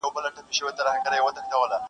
ادبي غونډه کي نيوکي وسوې,